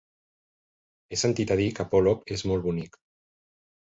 He sentit a dir que Polop és molt bonic.